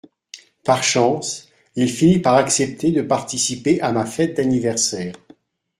Par chance, il finit par accepter de participer à ma fête d’anniversaire.